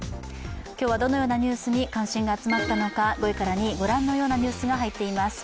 今日はどのようなニュースに関心が集まったのか、５位から２位、ご覧のようなニュースが入っています